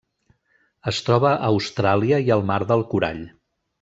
Es troba a Austràlia i al Mar del Corall.